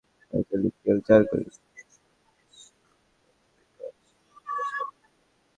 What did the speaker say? প্রয়াস চলছে শিল্পাঙ্গনেসাবিহা জিতু অ্যাক্রিলিক, তেল, চারকোল স্কেচ এবং মিশ্র মাধ্যমে কাজ করেন।